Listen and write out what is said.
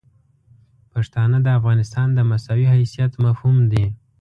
پښتانه د افغانستان د مساوي حیثیت مفهوم دي.